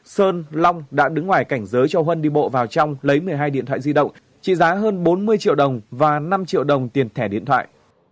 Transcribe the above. sơn long đã đứng ngoài cảnh giới cho huân đi bộ vào trong lấy một mươi hai điện thoại di động trị giá hơn bốn mươi triệu đồng và năm triệu đồng tiền thẻ điện thoại